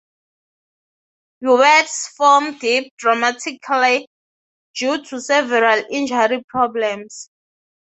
Joubert's form dipped dramatically due to several injury problems.